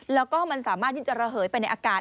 แล้วก็มันสามารถที่จะระเหยไปในอากาศ